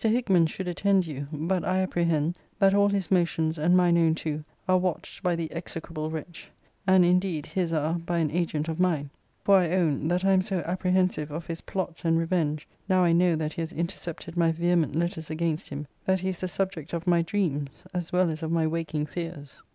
Hickman should attend you; but I apprehend, that all his motions, and mine own too, are watched by the execrable wretch: and indeed his are by an agent of mine; for I own, that I am so apprehensive of his plots and revenge, now I know that he has intercepted my vehement letters against him, that he is the subject of my dreams, as well as of my waking fears.